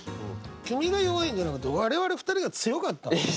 君が弱いんじゃなくて我々２人が強かった。